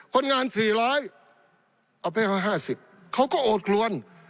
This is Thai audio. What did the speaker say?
คนงาน๔๐๐เอาไปให้เขา๕๐เขาก็โอดกลวน